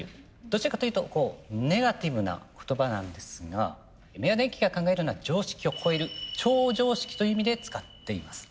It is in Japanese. どちらかというとネガティブな言葉なんですが明和電機が考えるのは常識を超える「超常識」という意味で使っています。